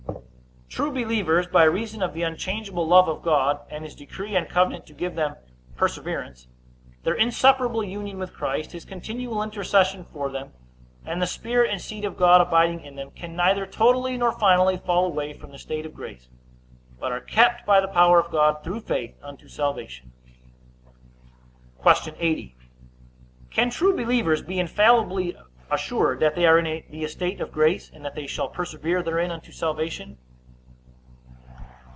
True believers, by reason of the unchangeable love of God, and his decree and covenant to give them perseverance, their inseparable union with Christ, his continual intercession for them, and the Spirit and seed of God abiding in them, can neither totally nor finally fall away from the state of grace, but are kept by the power of God through faith unto salvation. Q. 80. Can true believers be infallibly assured that they are in the estate of grace, and that they shall persevere therein unto salvation?